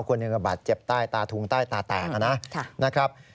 คนหนึ่งก็บาดเจ็บใต้ตาทุงใต้ตาแตกนะครับ